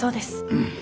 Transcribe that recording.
うん。